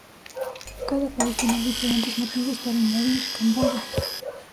Cada país tenía diferentes motivos para invadir Camboya.